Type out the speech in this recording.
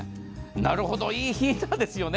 なるほど、いいヒーターですよね。